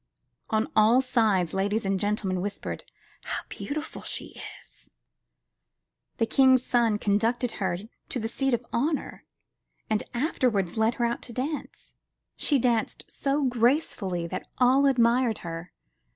On all sides ladies and gentlemen whispered, "How beautiful she is!" The King's son conducted her to the seat of honor, and afterwards led her out to dance. She danced so gracefully that all admired her.